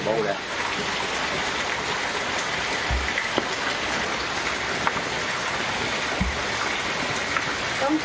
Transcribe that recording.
พร้อมทุกสิทธิ์